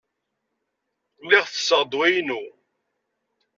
Lliɣ tesseɣ ddwa-inu.